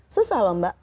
susah lho mbak